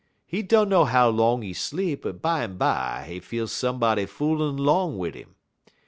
He dunner how long he sleep, but bimeby he feel somebody foolin' 'long wid 'im.